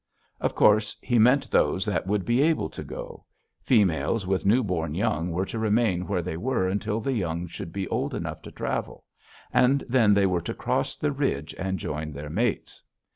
"Of course, he meant those that would be able to go: females with newborn young were to remain where they were until the young should be old enough to travel, and then they were to cross the ridge and join their mates.